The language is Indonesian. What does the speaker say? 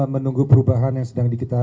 menunggu perubahan yang sedang